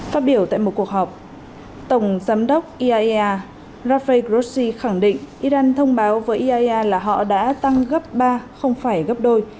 phát biểu tại một cuộc họp tổng giám đốc iaea rafah grossi khẳng định iran thông báo với iaea là họ đã tăng gấp ba không phải gấp đôi